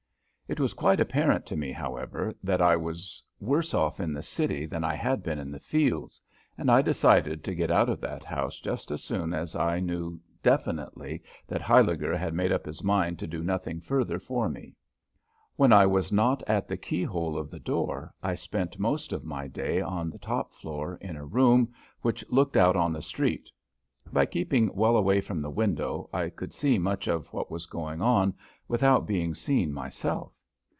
It was quite apparent to me, however, that I was worse off in the city than I had been in the fields, and I decided to get out of that house just as soon as I knew definitely that Huyliger had made up his mind to do nothing further for me. When I was not at the keyhole of the door I spent most of my day on the top floor in a room which looked out on the street. By keeping well away from the window I could see much of what was going on without being seen myself.